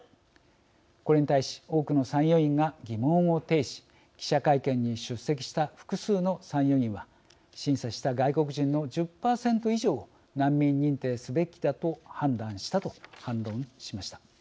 これに対し、多くの参与員が疑問を呈し、記者会見に出席した複数の参与員は審査した外国人の１０％以上を難民認定すべきだと判断したと反論しました。